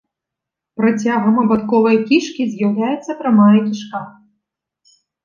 Працягам абадковай кішкі з'яўляецца прамая кішка.